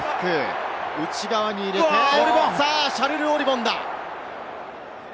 内側に入れてシャルル・オリヴォンだ！